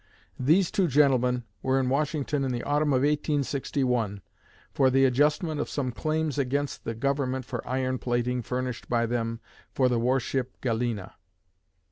These two gentlemen were in Washington in the autumn of 1861, for the adjustment of some claims against the Government for iron plating furnished by them for the war ship 'Galena.'